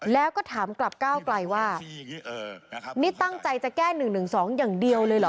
แล้วก็ถามกลับก้าวไกลว่านี่ตั้งใจจะแก้๑๑๒อย่างเดียวเลยเหรอ